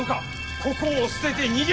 ここを捨てて逃げるか。